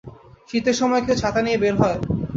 শীতের সময় কেউ ছাতা নিয়ে বের হয়?